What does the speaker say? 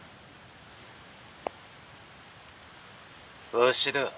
「わしだ。